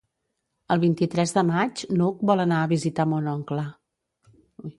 El vint-i-tres de maig n'Hug vol anar a visitar mon oncle.